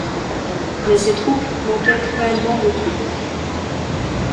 Mais ces troupes manquaient cruellement de tout.